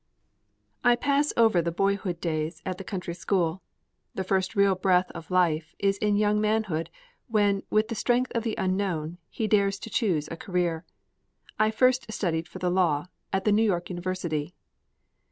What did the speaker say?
I pass over the boyhood days and the country school. The first real breath of life is in young manhood, when, with the strength of the unknown, he dares to choose a career. I first studied for the law, at the New York University.